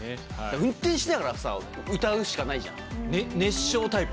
運転しながらさ、歌うしかないじ熱唱タイプ？